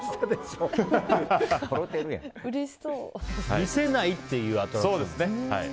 見せないっていうアトラクションね。